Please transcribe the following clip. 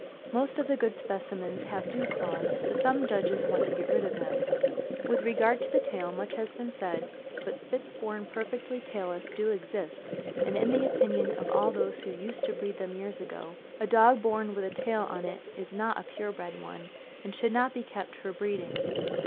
Most of the good specimens have dew claws, but some judges want to get rid of them. With regard to the tail, much has been said, but Spits born perfectly tailless do exist, and in the opinion of all those who used to breed them years ago, a dog born with a tail on is not a pure bred one, and should not be kept for breeding.